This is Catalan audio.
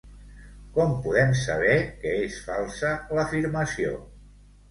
Com podem saber que és falsa l'afirmació?